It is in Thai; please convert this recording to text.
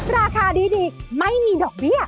ราคาดีไม่มีดอกเบี้ย